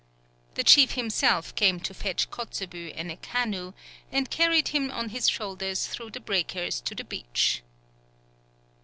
The chief himself came to fetch Kotzebue in a canoe, and carried him on his shoulders through the breakers to the beach.